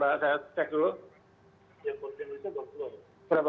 ya potensi itu berapa